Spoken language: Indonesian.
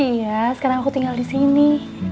iya sekarang aku tinggal disini